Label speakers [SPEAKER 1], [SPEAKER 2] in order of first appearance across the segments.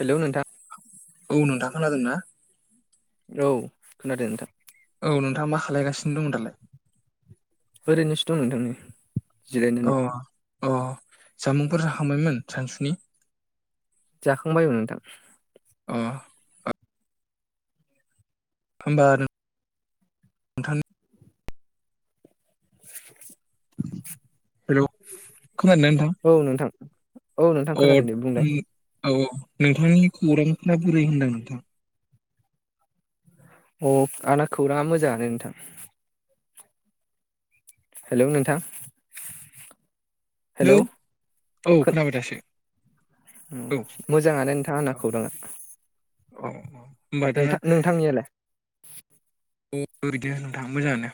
[SPEAKER 1] Hello नोंथां
[SPEAKER 2] औ नोंथां खोनादोंना?
[SPEAKER 1] औ खोनादों नोंथां।
[SPEAKER 2] औ नोंथाङा मा खालायगासिनो दं दालाय?
[SPEAKER 1] [unintelligible] नोंथां नि
[SPEAKER 2] अ
[SPEAKER 1] जिरायनानै
[SPEAKER 2] अ जामुंफोर जाखांबायमोन सानसुनि?
[SPEAKER 1] जाखांबाय उम नोंथां
[SPEAKER 2] अ होमबा आरो नोंथांनि हेलौ खोनादोंना नोंथां
[SPEAKER 1] औ नोंथां औ नोंथां
[SPEAKER 2] अ
[SPEAKER 1] खोनादों दे बुंलाय
[SPEAKER 2] उम औ औ नोंथांनि खौरांफोरा बोरै होनदों नोंथां
[SPEAKER 1] अ आंना खौराङा मोजाङानो नोंथां हेल' नोंथां हेलौ
[SPEAKER 2] औ
[SPEAKER 1] खो
[SPEAKER 2] खोनाबाय दासो औ
[SPEAKER 1] मोजाङानो नोंथां आंना खौराङा।
[SPEAKER 2] अ औ दा
[SPEAKER 1] नोंथां नोंथांनियालाय
[SPEAKER 2] अ [inaudible] नोंथां मोजाङानो।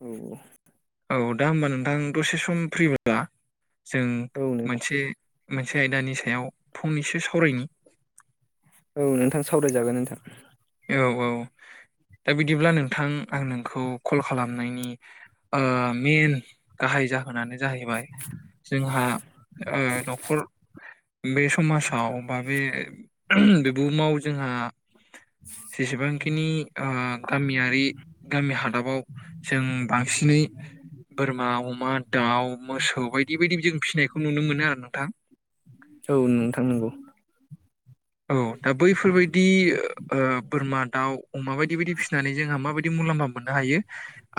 [SPEAKER 1] औ
[SPEAKER 2] औ दा होमबा नोंथां दसे सम फ्रि बोला जों
[SPEAKER 1] औ औ नोंथां
[SPEAKER 2] मोनसे मोनसे आयदानि सायाव फंनैसो सावरायनि
[SPEAKER 1] औ नोंथां सावरायजागोन नोंथां
[SPEAKER 2] औ औ दा बिदिब्ला नोंथां आं नोंखौ कल खालामनायनि ओ मेन गाहाय जाहो- होनानो जाहैबाय जोंहा ओ न'खर बे समाजाव बा बे बुहुमाव जोंहा जेसेबांखिनि ओ गामियारि गामि हादाबाव जों बांसिनै बोरमा, अमा, दाउ मोसौ बायदि बायदि जों फिसिनायखौ नुनो मोनो आरो नोंथां।
[SPEAKER 1] औ नोंथां नंगौ
[SPEAKER 2] औ दा बैफोरबायदि बोरमा दाउ अमा बायदि बायदि फिसिनानै जोंहा माबायदि मुलाम्फा मोननो हायो,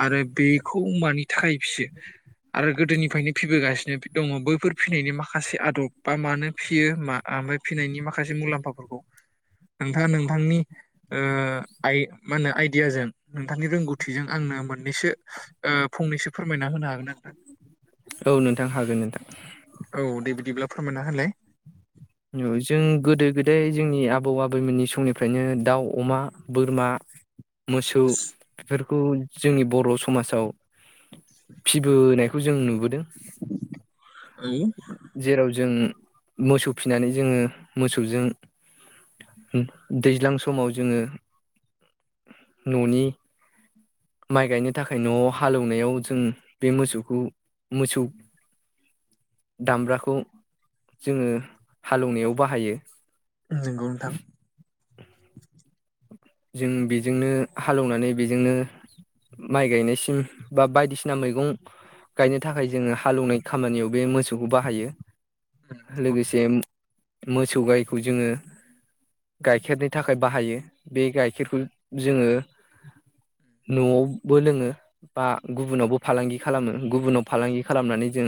[SPEAKER 2] आरो बेखौ अमानि थाखाय फिसियो? आरो गोदोनिफ्रायनो फिबोगासिनो दङ बैफोर फिनायनि माखासे आदब बा मानो फियोा ओमफ्राय फिनायनि माखा माखासे मुलाम्फाफोरखौ नोंथाङा नोंथांनि आइ मा होनो आइडियाजों नोंथांनि रोंगौथिजों आंनो मोननैसो फंनैसो फोरमायना होनो हागोन नोंथां।
[SPEAKER 1] औ नोंथां हागोन नोंथां।
[SPEAKER 2] औ दे बिदिब्ला फोरमाया होनलाय।
[SPEAKER 1] जों गोदो गोदाय जोंनि आबौ आबैमोननि समनिफ्रायनो दाउ, अमा, बोरमा मोसौ बेफोर बे खौ जोंनि बर' समाजाव फिबोनायखौ जों नुबोदों।
[SPEAKER 2] औ
[SPEAKER 1] जेराव जों मोसौ फिनानै जोङो मोसौजों दैज्लां समाव जोङो न'नि माइ गायनो थाखाय, न'आव हालेवनायाव जों बे मोसौखौ मोसौ दामब्राखौ जोङो। हालेवनायाव बाहायो
[SPEAKER 2] नंगौ नोंथां।
[SPEAKER 1] जों बेजोंनो हालेवनानै बेजोंनो माइ गायनायसिम बा बायदिसिना मैगं गायनो थाखाय जोङो हालौनाय खामानियाव बे मोसौखौ बाहायो।
[SPEAKER 2] उम नंगौ
[SPEAKER 1] लोगोसे
[SPEAKER 2] नोंथां
[SPEAKER 1] मोसौ गायखौ जोङो गाइखेरनि थाखाय बाहायो। बे गाइखेरखौ जोङो न'आवबो लोङो बा गुबुनावबो फालांगि खालामो गुबुनाव फालांगि खालामनानै जों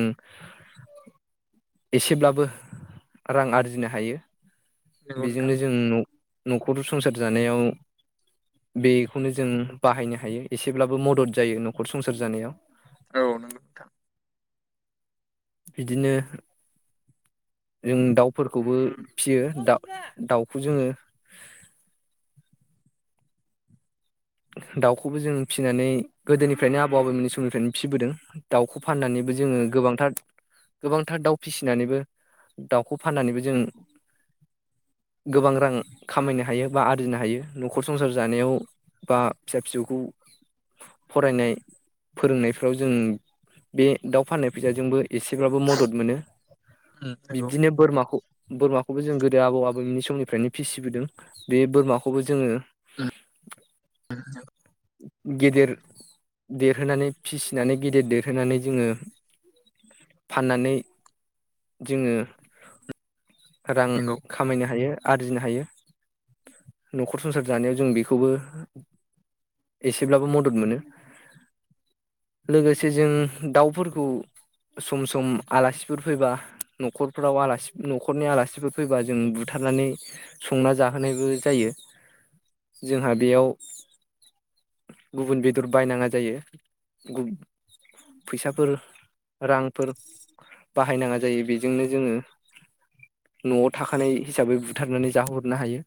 [SPEAKER 1] एसेब्लाबो रां आरजिनो हायो।
[SPEAKER 2] नंगौ नोंथां
[SPEAKER 1] बेजोंनो जों न' न'खर संसार जानायाव बेखौनो जों बाहायनो हायो एसेब्लाबो मदद जायो, न'खर संसार जानायाव।
[SPEAKER 2] औ नोंगौ नोंथां।
[SPEAKER 1] बिदिनो जों दाउफोरखौबो फियो दा दाउखौ जोङो। दाउखौबो जों फिसिनानै गोदोनिफ्रायनो आबौ आबौमोननि समनिफ्रायनो फिसिबोदों दाउखौ फाननानैबो जोङो गोबांथार गोबांथार दाउ फिसिनानैबो दाउखौ फाननानैबो जों गोबां रां खामायनो हायो बा आरजिनो हायो न'खर संसार जानायाव। बा फिसा फिसौखौ फरायनाय फोरोंनायफ्राव जों बे दाउ फाननाय फैसाजोंबो। एसेब्लााबो मदद मोनो
[SPEAKER 2] उम नंगौ
[SPEAKER 1] बिब्दिनो बोरमाखौ बोरमाखौबो जों गोदो आबौ आबौमोननि सम समनिफ्रायनो फिसिबोदों बे बोरमाखौबो जोङो।
[SPEAKER 2] नोंथां।
[SPEAKER 1] गिदिर देरहोनानै फिसिनानै गेदिर देरहोनानै जोङो फाननानै जोङो। रां
[SPEAKER 2] नंगौ
[SPEAKER 1] खामायनो हायो। आरजिनो हायो न'खर संसार जानायाव जों बेखौबो एसेब्लाबो मदद मोनो लोगोसे जों दाउफोरखौ सम सम आलासिफोर फैबा न'खरफ्राव आसि न'खरनि आलासिफोर फैबा जों बुथारनानै संना जाहोनायबो जायो, जोंहा बेयाव गुबुन बेदर बायनाङा जायो फैसाफोर रांफोर बाहायनाङा जायो बेजोंनो जोङो न'आव थाखानाय हिसाबै बुथारनानै जाहोहरनो हायो।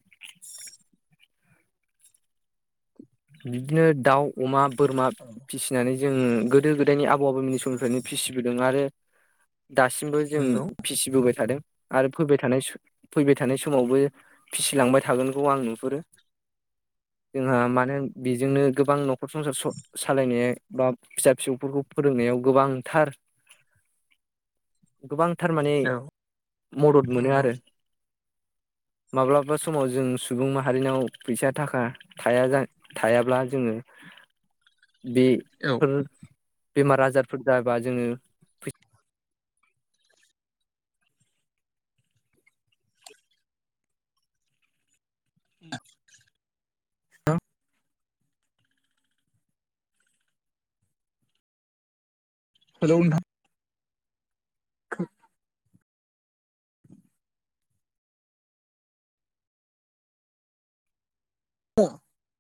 [SPEAKER 1] बिदिनो दाउ अमा बोरमा फिसिनानै जों गोदो गोदायनि आ बबो मिनि समनिफ्रायनो फिसि ओं आरो दासिमबो
[SPEAKER 2] उम
[SPEAKER 1] जों
[SPEAKER 2] नंगौ
[SPEAKER 1] फिसिबोबाय थादों। आरो फैबाय थानाय स फैबाय थानाय समावबो फिसिलांबाय थागोनखौ आं नुहुरो जोंहा मानो होनो बेजोंनो गोबां न'खर संसार स सालायनाय बा फिसा फिसौफोरखौ फोरोंनायाव गोबांथार गोबां थारमाने
[SPEAKER 2] औ
[SPEAKER 1] मदद मोनो
[SPEAKER 2] नंगौ
[SPEAKER 1] आरो। माब्लाबा समाव जों सुबुं माहारिनाव फैसा थाखा थाया जा थायाब्ला जोङो बे
[SPEAKER 2] औ
[SPEAKER 1] फोर बेमार आजारफोर जाबा जोङो फैसा
[SPEAKER 2] [unintelligible] हेलौ नोंथां। [unintelligible] [unintelligible]